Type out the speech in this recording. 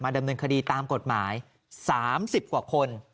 ดำเนินคดีตามกฎหมาย๓๐กว่าคน